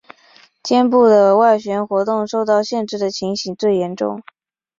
肩部的外旋活动受到限制的情形最严重。